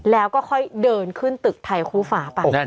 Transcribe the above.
แล้วก็ค่อยเดินขึ้นตึกไทยคู่ฝาไป